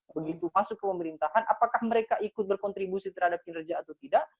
begitu masuk ke pemerintahan apakah mereka ikut berkontribusi terhadap kinerja atau tidak